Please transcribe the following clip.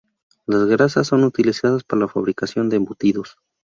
Las grasas son utilizadas para la fabricación de embutidos.